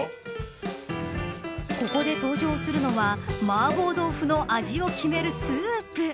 ここで登場するのはマーボー豆腐の味を決めるスープ。